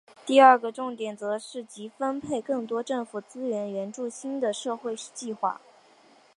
第二个重点则是即刻分配更多政府资金援助新的社会计画。